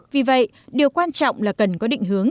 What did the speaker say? vì vậy điều quan trọng là cần có định hướng